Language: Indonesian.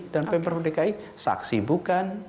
dan pemprov dki saksi bukan